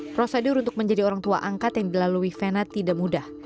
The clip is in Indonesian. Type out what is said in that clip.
prosedur untuk menjadi orang tua angkat yang dilalui vena tidak mudah